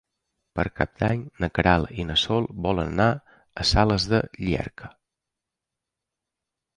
Per Cap d'Any na Queralt i na Sol volen anar a Sales de Llierca.